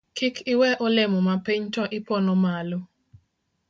Kik iwe olemo mapiny to iponoma malo